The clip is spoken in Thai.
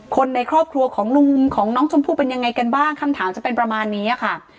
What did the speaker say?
คนในครอบครัวของลุงของน้องชมพู่เป็นยังไงกันบ้างคำถามจะเป็นประมาณนี้ค่ะ